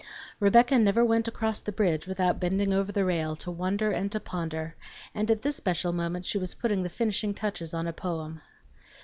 Rebecca never went across the bridge without bending over the rail to wonder and to ponder, and at this special moment she was putting the finishing touches on a poem.